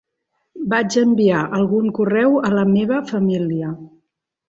Vaig a enviar algun correu a la meva família.